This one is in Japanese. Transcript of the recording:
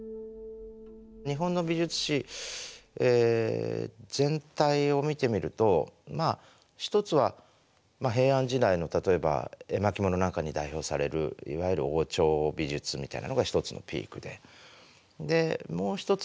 日本の美術史全体を見てみると一つは平安時代の例えば絵巻物なんかに代表されるいわゆる王朝美術みたいなのが一つのピークでもう一つは桃山ですかね。